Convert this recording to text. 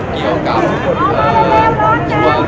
มุมการก็แจ้งแล้วเข้ากลับมานะครับ